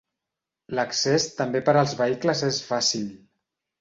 L'accés també per als vehicles és fàcil.